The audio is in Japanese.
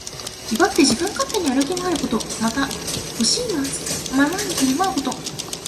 威張って自分勝手に歩き回ること。また、ほしいままに振る舞うこと。